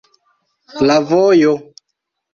La vojo.